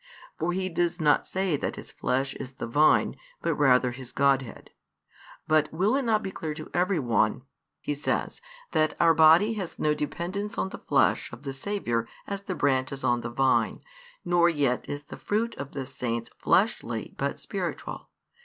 For He does not say that His Flesh is the Vine, but rather His Godhead. But will it not be clear to everyone," he says, "that our body has no dependence on the Flesh of the Saviour as the branches on the vine, nor yet is the fruit of the Saints fleshly but spiritual?